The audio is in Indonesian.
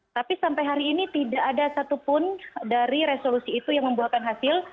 tapi sampai hari ini tidak ada satupun dari resolusi itu yang membuahkan hasil